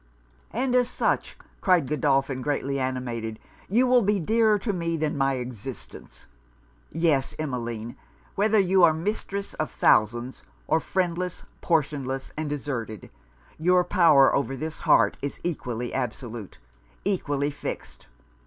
'And as such,' cried Godolphin, greatly animated, 'you will be dearer to me than my existence! Yes! Emmeline; whether you are mistress of thousands, or friendless, portionless and deserted, your power over this heart is equally absolute equally fixed!